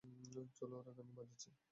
চল, ওরা গান বাজাচ্ছে।